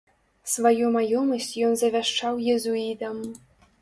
Сваю маёмасць ён завяшчаў езуітам.